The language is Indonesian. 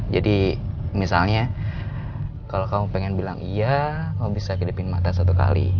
jadi misalnya kalau kamu ingin bilang iya kamu bisa kedepan mata satu kali